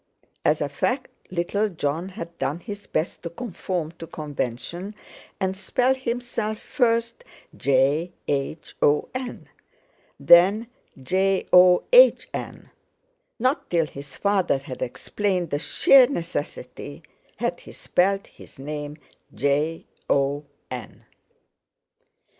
As a fact little Jon had done his best to conform to convention and spell himself first Jhon, then John; not till his father had explained the sheer necessity, had he spelled his name Jon.